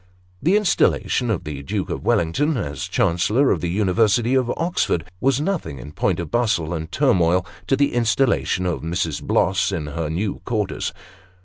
The installation of the Duke of Wellington, as Chancellor of the University of Oxford, was nothing, in point of bustle and turmoil, to the installation of Mrs. Bloss in her new quarters.